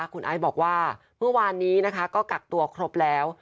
คุณไอซ์บอกว่าเมื่อวานนี้นะคะก็กักตัวครบแล้ว